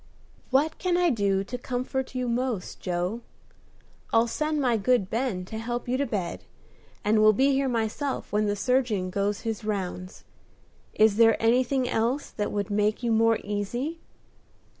"What can I do to comfort you most, Joe? I'll send my good Ben to help you to bed, and will be here myself when the surgeon goes his rounds. Is there anything else that would make you more easy?"